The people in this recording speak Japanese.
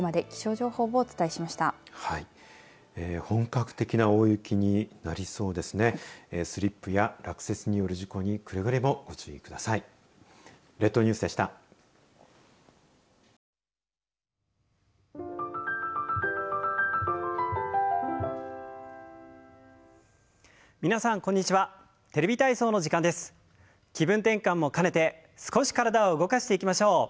気分転換も兼ねて少し体を動かしていきましょう。